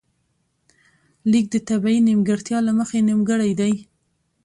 ليک د طبیعي نیمګړتیا له مخې نیمګړی دی